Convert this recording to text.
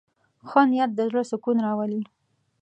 ښه نیت د زړه سکون راولي.